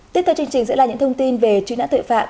tiếp theo chương trình sẽ là những thông tin về truy nã tội phạm